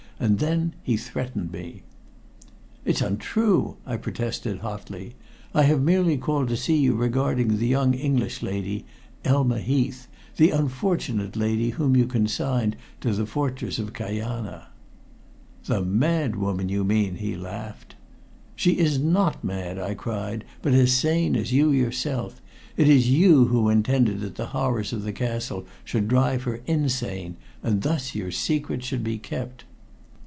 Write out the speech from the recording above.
"And then he threatened me." "It's untrue," I protested hotly. "I have merely called to see you regarding the young English lady, Elma Heath the unfortunate lady whom you consigned to the fortress of Kajana." "The mad woman, you mean!" he laughed. "She is not mad," I cried, "but as sane as you yourself. It is you who intended that the horrors of the castle should drive her insane, and thus your secret should be kept!"